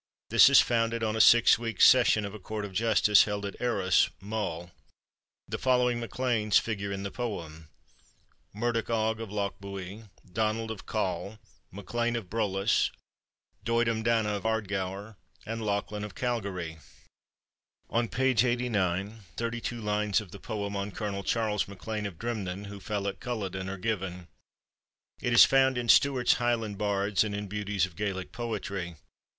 This is founded on a six weeks' session of a court of justice held at Arcs, Mull. The following MacLeans figure in the poem : Murdoch Og of Lochbuie, Donald of Coll, MacLean of Brolass, Doidim Dana of Ardgour, and Lachlan of Calgary. On page 89, thirty two lines of the poem on Colonel Charles MacLean of Drimnin (who fell at Culloden) are given. It is found in Stewart's Highland Bards and in Beauties of Gaelic Poetry.